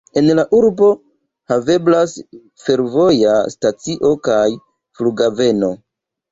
En la urbo haveblas fervoja stacio kaj flughaveno.